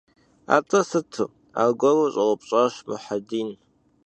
At'e sıtu? - argueru ş'eupş'aş Muhedin.